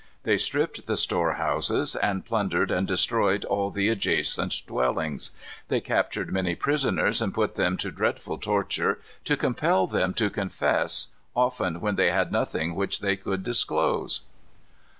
They stripped the store houses, and plundered and destroyed all the adjacent dwellings. They captured many prisoners, and put them to dreadful torture to compel them to confess, often when they had nothing which they could disclose.